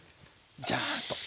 ジャーッと。